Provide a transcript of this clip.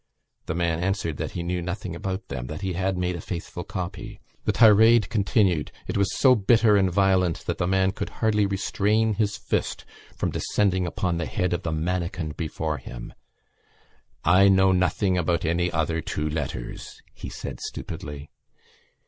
The man answered that he knew nothing about them, that he had made a faithful copy. The tirade continued: it was so bitter and violent that the man could hardly restrain his fist from descending upon the head of the manikin before him: "I know nothing about any other two letters," he said stupidly.